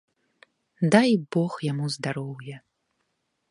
Дай бог яму здароўя!